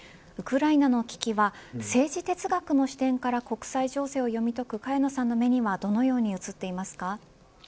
ウクライナの危機は政治哲学の視点から国際情勢を読み解く萱野さんの目にはどのように映っていますか。